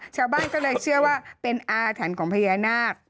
ชาวบ้านก็เลยเชื่อว่าเป็นอาถรรพ์ของพญานาค